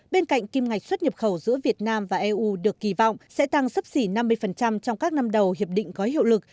bên cạnh kim ngạch xuất nhập khẩu giữa việt nam và eu được kỳ vọng sẽ tăng sấp xỉ năm mươi trong các năm đầu hiệp định có hiệu lực